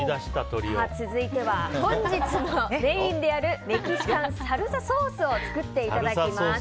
続いては、本日のメインであるメキシカンサルサソースを作っていただきます。